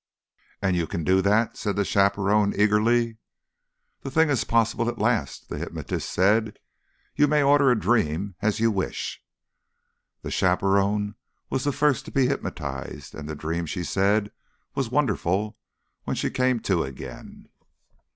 Think!" "And you can do that!" said the chaperone eagerly. "The thing is possible at last," the hypnotist said. "You may order a dream as you wish." The chaperone was the first to be hypnotised, and the dream, she said, was wonderful, when she came to again.